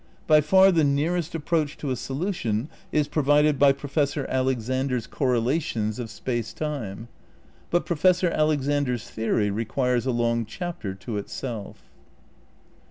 By far the nearest approach to a solution is pro vided by Professor Alexander 's correlations of Space Time. But Professor Alexander's theory requires a long chapter to itself.